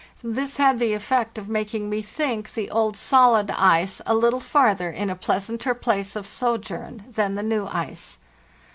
This had the effect of making me think the old solid ice a little far ther in a pleasanter place of sojourn than the new ice.